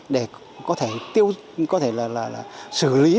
để có thể tiêu dụng có thể là xử lý được